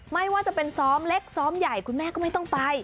ไม่ว่าจะเป็นซ้อมเล็กซ้อมใหญ่คุณแม่ก็ไม่ต้องไป